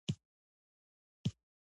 د وينې نه شوګر را اخلي